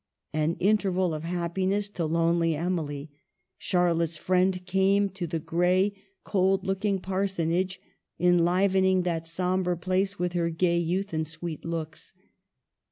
An interval of happiness to lonely Emily ; Charlotte's friend came to the gray, cold looking Parsonage, enlivening that sombre place with her gay youth and sweet looks.